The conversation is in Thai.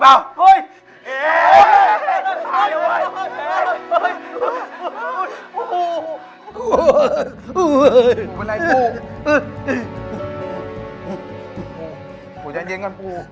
พูดเย็นก่อนพูด